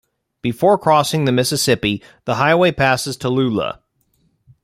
Before crossing the Mississippi, the highway passes Tallulah.